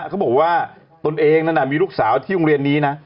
เขาบอกว่าตนเองนั้นมีลูกสาวที่โรงเรียนนี้นะ